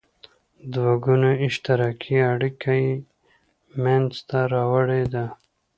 دوه ګوني اشتراکي اړیکه یې مینځته راوړې ده.